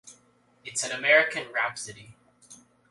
It's an American rhapsody.